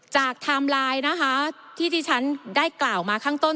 ไทม์ไลน์นะคะที่ที่ฉันได้กล่าวมาข้างต้น